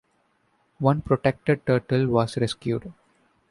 One protected turtle was rescued.